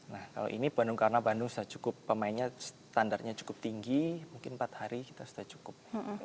nah kalau ini bandung karena bandung sudah cukup pemainnya standarnya cukup tinggi mungkin empat hari kita sudah cukup